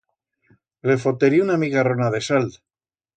Le foterí una micarrona de sal.